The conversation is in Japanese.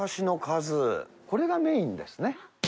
これがメインですね。